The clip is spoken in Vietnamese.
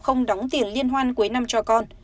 không đóng tiền liên hoàn cuối năm cho con